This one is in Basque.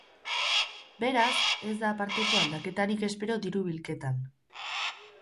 Beraz, ez da aparteko aldaketarik espero diru-bilketan.